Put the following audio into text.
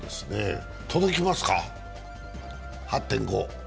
届きますか、８．５。